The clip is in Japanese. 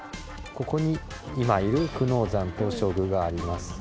ここに今いる久能山東照宮があります。